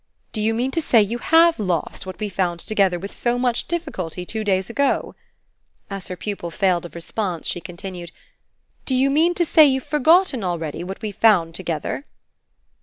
"Do you mean to say you HAVE lost what we found together with so much difficulty two days ago?" As her pupil failed of response she continued: "Do you mean to say you've already forgotten what we found together?"